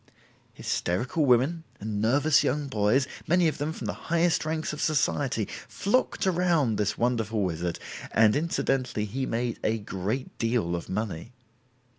Hysterical women and nervous young boys, many of them from the highest ranks of Society, flocked around this wonderful wizard, and incidentally he made a great deal of money.